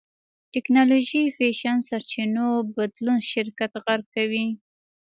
ټېکنالوژي فېشن سرچينو بدلون شرکت غرق کوي.